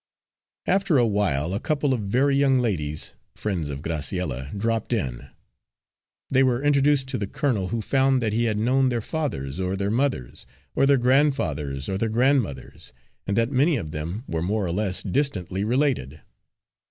After a while a couple of very young ladies, friends of Graciella, dropped in. They were introduced to the colonel, who found that he had known their fathers, or their mothers, or their grandfathers, or their grandmothers, and that many of them were more or less distantly related.